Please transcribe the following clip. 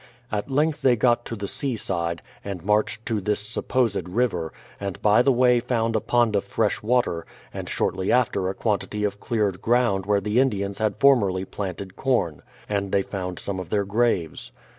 At length they got to the sea side, and marched to this supposed river, and by the w^ay found a pond of fresh w'ater, and shortly after a quantity of cleared ground where the Indians had for merly planted corn; and they found some of their graves.